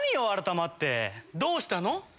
改まってどうしたの？